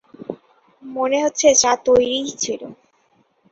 মনে হচ্ছে চা তৈরিই ছিল।